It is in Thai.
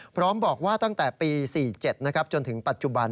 พร้อมบอกว่าตั้งแต่ปี๔๗จนถึงปัจจุบัน